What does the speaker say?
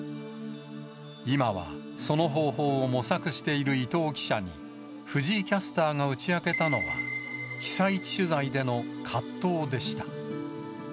今はその方法を模索している伊藤記者に、藤井キャスターが打ち明けたのは、被災地取材での葛藤でした。